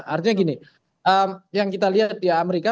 artinya gini yang kita lihat di amerika